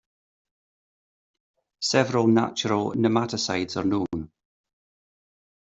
Several natural nematicides are known.